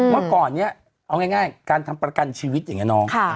เมื่อก่อนนี้เอาง่ายการทำประกันชีวิตอย่างนี้น้อง